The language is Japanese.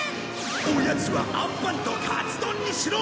おやつはあんパンとカツ丼にしろ！